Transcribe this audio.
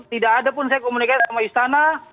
tidak ada pun saya komunikasi sama istana